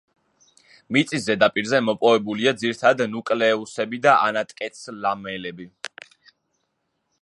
მიწის ზედაპირზე მოპოვებულია ძირითადად ნუკლეუსები და ანატკეც-ლამელები.